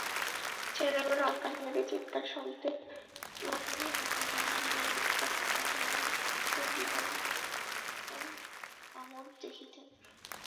ছেলেগুলো আকাশভেদী চীৎকার-শব্দে বানরের মতো ডালে ডালে লুটপাট বাধাইয়া দিত–বিল্বন আমোদ দেখিতেন।